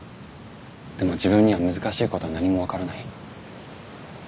でも自分には難しいことは何も分からない。